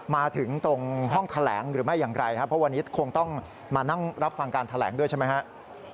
มาถึงตรงห้องแถลงหรือไม่อย่างไรครับเพราะวันนี้คงต้องมานั่งรับฟังการแถลงด้วยใช่ไหมครับ